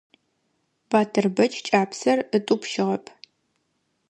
Батырбэч кӀапсэр ытӀупщыгъэп.